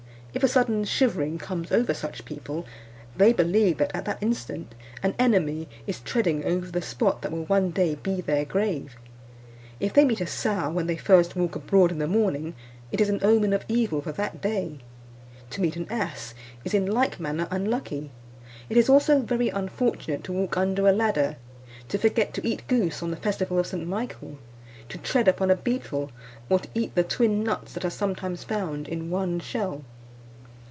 If a sudden shivering comes over such people, they believe that, at that instant, an enemy is treading over the spot that will one day be their grave. If they meet a sow when they first walk abroad in the morning, it is an omen of evil for that day. To meet an ass, is in like manner unlucky. It is also very unfortunate to walk under a ladder; to forget to eat goose on the festival of St. Michael; to tread upon a beetle, or to eat the twin nuts that are sometimes found in one shell.